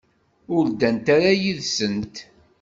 Ur ddant ara yid-sent.